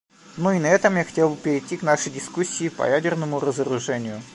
Ну и на этом я хотел бы перейти к нашей дискуссии по ядерному разоружению.